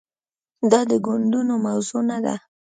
دا د ګوندونو موضوع نه ده.